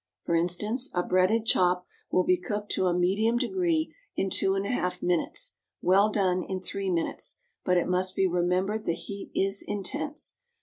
For instance, a breaded chop will be cooked to a medium degree in two and a half minutes, well done in three minutes; but it must be remembered the heat is intense.